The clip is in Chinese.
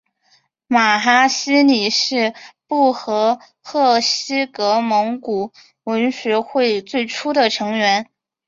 玛哈希力是布和贺喜格蒙古文学会最初的成员。